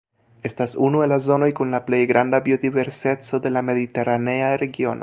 Estas unu el la zonoj kun la plej granda biodiverseco de la mediteranea regiono.